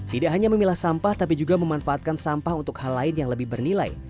tidak hanya memilah sampah tapi juga memanfaatkan sampah untuk hal lain yang lebih bernilai